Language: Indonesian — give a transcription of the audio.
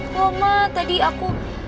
loh ma tadi aku